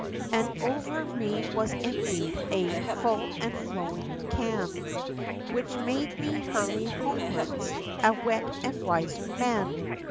And over me was emptied a full and flowing can! Which made me hurry homewards, a wet and wiser man!